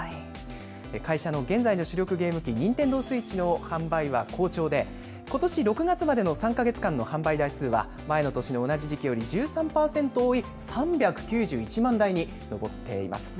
会社の現在の主力ゲーム機、ニンテンドースイッチの販売は好調で、ことし６月までの３か月間の販売台数は前の年の同じ時期よりも１３％多い３９１万台に上っています。